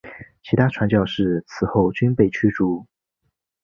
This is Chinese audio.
其他传教士此后均被驱逐。